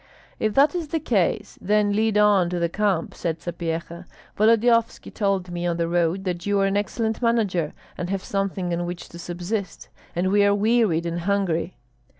"If that is the case, then lead on to the camp," said Sapyeha. "Volodyovski told me on the road that you are an excellent manager and have something on which to subsist; and we are wearied and hungry."